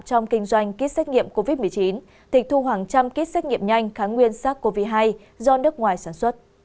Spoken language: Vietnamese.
trong kinh doanh kit xét nghiệm covid một mươi chín tịch thu khoảng một trăm linh kit xét nghiệm nhanh kháng nguyên sars cov hai do nước ngoài sản xuất